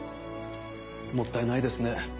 もったいないですね。